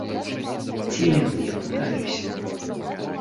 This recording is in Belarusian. Дзе яны, я пытаюся!